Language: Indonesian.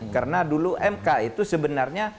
karena dulu mk itu sebenarnya